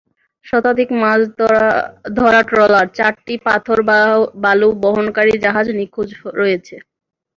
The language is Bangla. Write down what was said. শতাধিক মাছ ধরা ট্রলার, চারটি পাথর-বালু বহন করা জাহাজ নিখোঁজ রয়েছে।